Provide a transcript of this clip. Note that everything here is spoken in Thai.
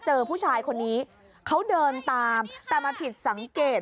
เจอผู้ชายคนนี้เขาเดินตามแต่มาผิดสังเกต